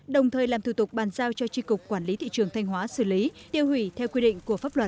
đồng thời làm thủ tục bàn giao cho tri cục quản lý thị trường thanh hóa xử lý tiêu hủy theo quy định của pháp luật